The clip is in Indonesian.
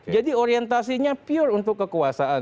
jadi orientasinya pure untuk kekuasaan